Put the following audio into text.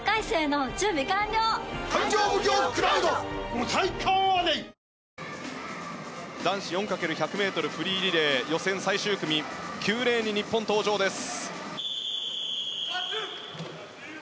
今絶賛伸びているところですから男子４×１００ｍフリーリレー予選最終組９レーンに日本登場です。